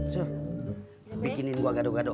sur bikinin gue gaduh gaduh